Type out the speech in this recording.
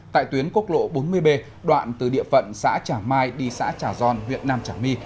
tại tuyến quốc lộ bốn mươi b đoạn từ địa phận xã trà mai đi xã trà giòn huyện nam trà my